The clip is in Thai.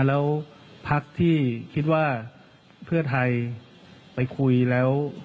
แล้วพักที่คิดว่าเพื่อไทยไปคุยแล้ว